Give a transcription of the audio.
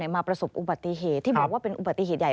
มาประสบอุบัติเหตุที่บอกว่าเป็นอุบัติเหตุใหญ่